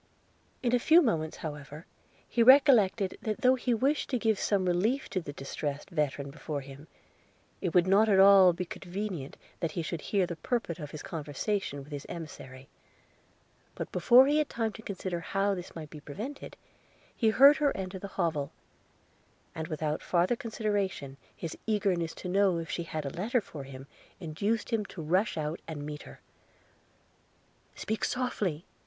In a few moments, however, he recollected, that though he wished to give some relief to the distressed veteran before him, it would not be at all convenient that he should hear the purport of his conversation with his emissary; but before he had time to consider how this might be prevented, he heard her enter the hovel; and, without farther consideration, his eagerness to know if she had a letter for him, induced him to rush out and meet her. 'Speak softly!'